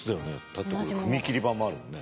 だって踏み切り板もあるもんね。